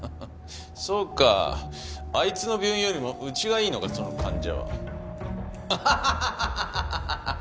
そうかあいつの病院よりもうちがいいのかその患者は。ハハハハハ！